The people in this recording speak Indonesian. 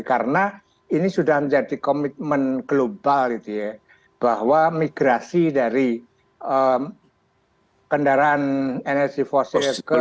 karena ini sudah menjadi komitmen global gitu ya bahwa migrasi dari kendaraan energi fosil